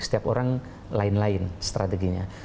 setiap orang lain lain strateginya